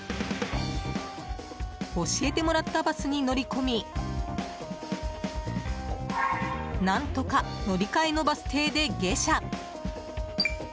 教えてもらったバスに乗り込み何とか乗り換えのバス停で下車。